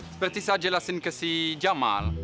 seperti saya jelasin ke si jamal